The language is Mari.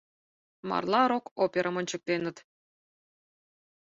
— Марла рок-оперым ончыктеныт.